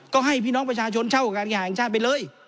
ก็ให้พี่น้องประชาชนเช่ากับการแข่งชาติไปเลย